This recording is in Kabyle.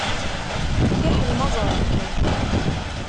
Fiḥel ma ẓriɣ-kem.